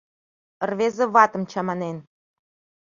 Рвезе ватым чаманен